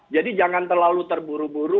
jadi jangan terlalu terburu buru